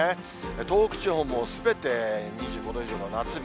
東北地方もすべて２５度以上の夏日。